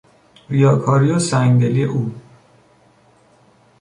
ریاکاری و سنگدلی او